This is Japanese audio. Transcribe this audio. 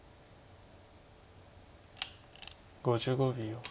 ５５秒。